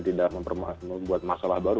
tidak mempermasalahkan buat masalah baru